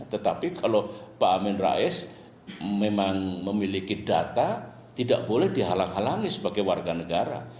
tetapi kalau pak amin rais memang memiliki data tidak boleh dihalang halangi sebagai warga negara